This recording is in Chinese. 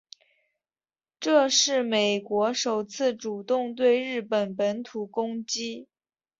这是美国首次主动对日本本土攻击。